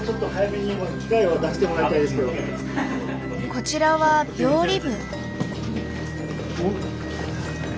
こちらは病理部。